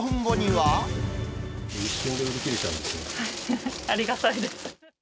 はい、ありがたいです。